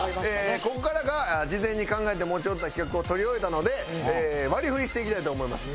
ここからが事前に考えて持ち寄った企画を撮り終えたので割り振りしていきたいと思います。